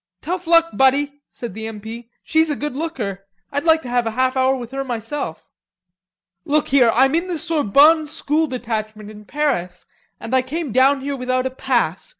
"Tough luck, buddy," said the M. P. "She's a good looker. I'd like to have a half hour with her myself." "Look here. I'm in the Sorbonne School Detachment in Paris, and I came down here without a pass.